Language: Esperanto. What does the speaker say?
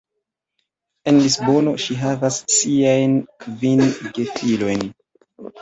En Lisbono ŝi havas siajn kvin gefilojn.